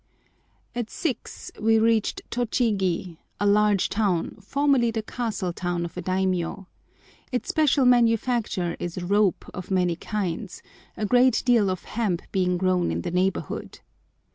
At six we reached Tochigi, a large town, formerly the castle town of a daimiyô. Its special manufacture is rope of many kinds, a great deal of hemp being grown in the neighbourhood.